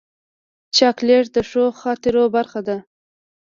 چاکلېټ د ښو خاطرو برخه ده.